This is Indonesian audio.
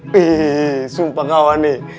hehehe sumpah kawan nih